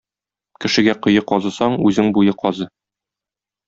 Кешегә кое казысаң, үзең буе казы.